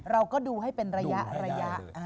เราก็ดูให้เป็นระยะ